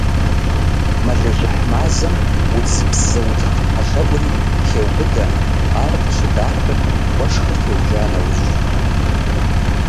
Мэлыжьыхь мазэм удзыпс зэутх тхьэлъэӀури хеубыдэ, ар къыщыдахыр уэшхыр теужа нэужьщ.